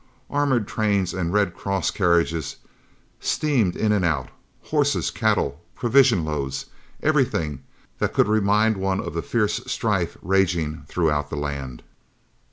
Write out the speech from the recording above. Armoured trains and Red Cross carriages steamed in and out, horses, cattle, provision loads everything that could remind one of the fierce strife raging throughout the land.